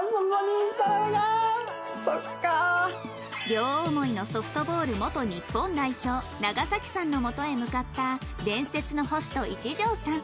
両思いのソフトボール元日本代表長さんの元へ向かった伝説のホスト一条さん